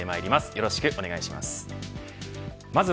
よろしくお願いします。